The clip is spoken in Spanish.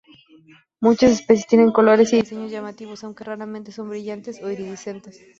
Muchas especies tienen colores y diseños llamativos, aunque raramente son brillantes o iridiscentes.